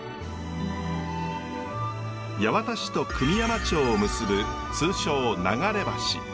八幡市と久御山町を結ぶ通称流れ橋。